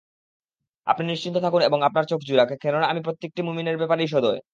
আপনি নিশ্চিন্ত থাকুন এবং আপনার চোখ জুড়াক, কেননা আমি প্রত্যেকটি মুমিনের ব্যাপারেই সদয়।